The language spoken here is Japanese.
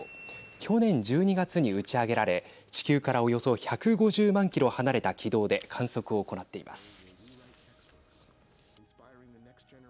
去年１２月に打ち上げられ地球からおよそ１５０万キロ離れた軌道で観測を行っています。